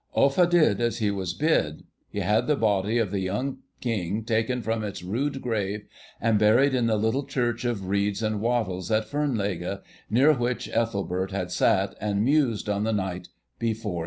Offa did as he was bid. He had the body of the young King taken from its rude grave, and buried in the little church of reeds and wattles at Fernlege, near which Ethelbert had sat and mused on the night before his death.